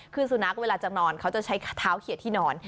คือสุนัขเวลาจะนอนเขาจะใช้เท้าเขียดที่นอน